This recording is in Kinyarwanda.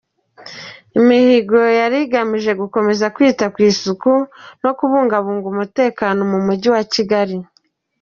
Imihigo yard igamije gukomeza kwita ku isuku no kubungabunga umutekano mu Mujyi wa Kigali.